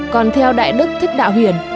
còn theo đại đức thích đạo huyền